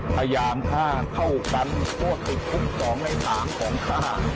พยายามท่าเข้ากันโทษทุกทุกสองในถามของท่า